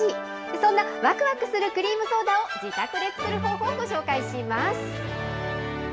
そんなわくわくするクリームソーダを、自宅で作る方法をご紹介します。